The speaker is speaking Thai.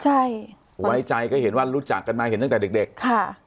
ใช่ไว้ใจก็เห็นว่ารู้จักกันมาเห็นตั้งแต่เด็กเด็กค่ะ